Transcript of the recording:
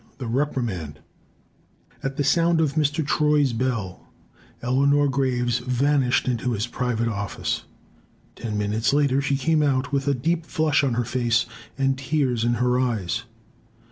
THE REPRIMAND At the sound of Mr. Troy's bell, Eleanor Graves vanished into his private office. Ten minutes later she came out, with a deep flush on her face and tears in her eyes.